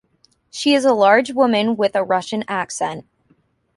She is a large woman with a Russian accent.